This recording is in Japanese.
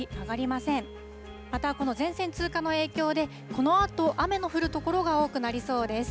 また、この前線通過の影響で、このあと雨の降る所が多くなりそうです。